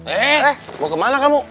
eh mau kemana kamu